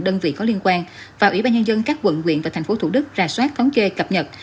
đơn vị có liên quan vào ủy ban nhân dân các quận nguyện và tp hcm ra soát thống kê cập nhật